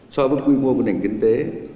so với quy mô của nền kinh tế